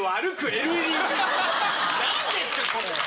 何ですかこれ。